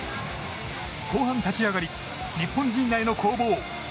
後半立ち上がり日本陣内の攻防。